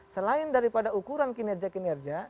selain daripada ukuran kinerja kinerja